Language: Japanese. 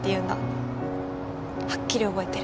はっきり覚えてる。